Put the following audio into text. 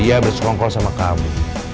dia bersongkol sama kamu